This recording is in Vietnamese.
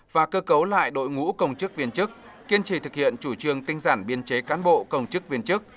và cơ cấu lại đội ngũ công chức viên chức kiên trì thực hiện chủ trương tinh giản biên chế cán bộ công chức viên chức